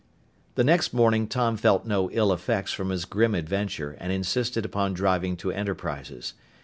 The next morning Tom felt no ill effects from his grim adventure and insisted upon driving to Enterprises.